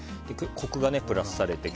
コクがプラスされてね。